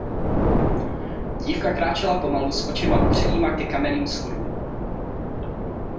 Dívka kráčela pomalu s očima upřenýma ke kamenným schodům.